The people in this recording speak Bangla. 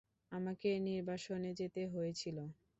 আমাকে নির্বাসনে যেতে হয়েছিল।